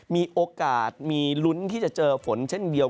มีโอกาสมีลุ้นที่จะเจอฝนเช่นเดียว